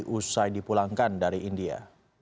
usai dipulangkan dari india